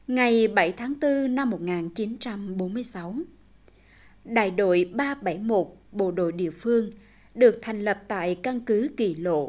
ngày bảy tháng bốn năm một nghìn chín trăm bốn mươi sáu đại đội ba trăm bảy mươi một bộ đội địa phương được thành lập tại căn cứ kỳ lộ